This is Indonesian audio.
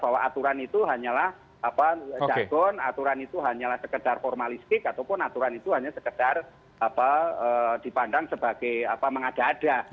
bahwa aturan itu hanyalah jagon aturan itu hanyalah sekedar formalistik ataupun aturan itu hanya sekedar dipandang sebagai mengada ada